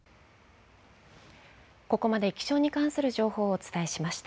ここまで気象に関する情報をお伝えしました。